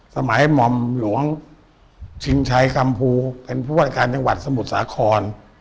สมัยหม่อมหลวงชิงชัยคำภูเป็นผู้ว่าราชการจังหวัดสมุทรสาคร